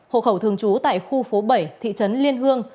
hộ khẩu thương chú tại khu phố bảy thị trấn liên hương